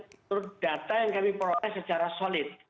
menurut data yang kami peroleh secara solid